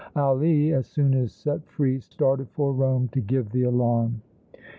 Ali, as soon as set free, started for Rome to give the alarm.